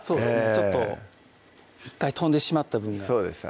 ちょっと１回飛んでしまった分がそうです